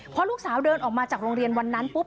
พอลูกสาวเดินออกมาจากโรงเรียนวันนั้นปุ๊บ